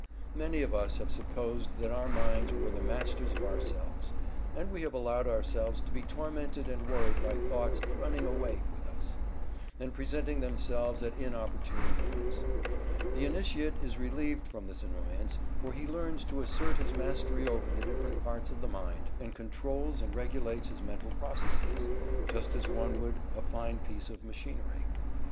Many of us have supposed that our minds were the masters of ourselves, and we have allowed ourselves to be tormented and worried by thoughts "running away" with us, and presenting themselves at inopportune moments. The Initiate is relieved from this annoyance, for he learns to assert his mastery over the different parts of the mind, and controls and regulates his mental processes, just as one would a fine piece of machinery.